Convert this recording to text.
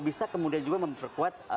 bisa kemudian juga memperkuat